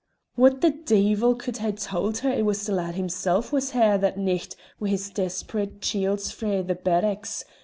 "Wha the deevil could hae tauld her it was the lad himsel' was here that nicht wi' his desperate chiels frae the barracks?